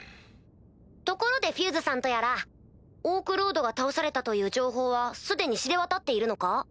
ところでフューズさんとやらオークロードが倒されたという情報は既に知れ渡っているのか？